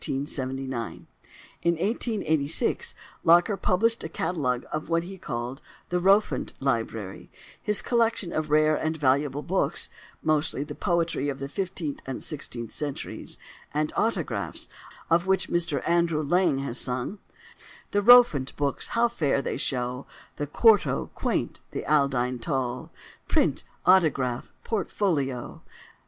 In 1886 Locker published a catalogue of what he called the "Rowfant Library"—his collection of rare and valuable books (mostly the poetry of the fifteenth and sixteenth centuries) and autographs—of which Mr Andrew Lang has sung: "The Rowfant books, how fair they shew, The Quarto quaint, the Aldine tall, Print, autograph, portfolio!